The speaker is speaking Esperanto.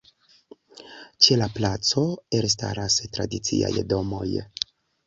Ĉe la placo elstaras tradiciaj domoj.